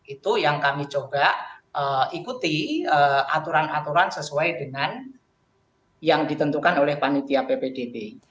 itu yang kami coba ikuti aturan aturan sesuai dengan yang ditentukan oleh panitia ppdb